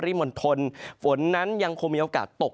ในภาคฝั่งอันดามันนะครับ